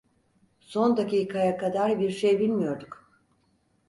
Son dakikaya kadar bir şey bilmiyorduk.